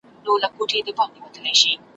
وروسته چیري ځي په هیڅ نه یم خبره `